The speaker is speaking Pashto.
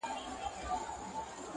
په دا منځ كي باندي تېر سول لس كلونه.!